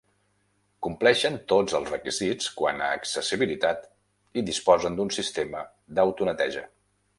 Compleixen tots els requisits quant a accessibilitat i disposen d’un sistema d’autoneteja.